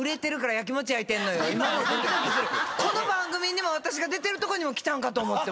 この番組にも私が出てるとこにも来たんかと思って。